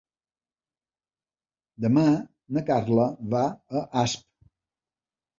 Demà na Carla va a Asp.